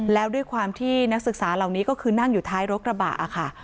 แล้วด้วยความที่นักศึกษาเหล่านี้ก็คือนั่งอยู่ท้ายรถกระบะค่ะ